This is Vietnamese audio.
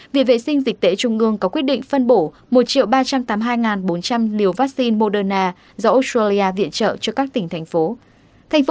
viện vệ sinh dịch tễ trung ương có quyết định phân bổ một ba trăm tám mươi hai bốn trăm linh liều vaccine moderna do australia viện trợ cho các tỉnh thành phố